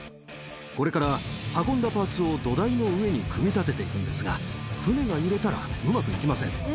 これから運んだパーツを土台の上に組み立てていくんですが、船が揺れたらうまくいきません。